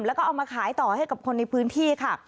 แล้วก็เอามาขายต่อให้กับคนในพื้นที่ค่ะ